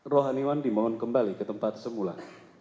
rohaniwandi mohon kembali ke tempat semula